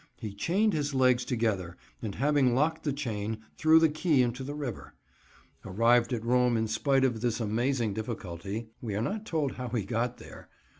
He chained his legs together and having locked the chain, threw the key into the river. Arrived at Rome in spite of this amazing difficulty (we are not told how he got there!)